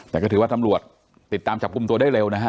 แต่ก็ถือว่าตำรวจติดตามจับกลุ่มตัวได้เร็วนะฮะ